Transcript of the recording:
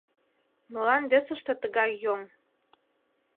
— Молан дессыште тыгай йоҥ?